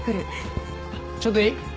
ちょっといい？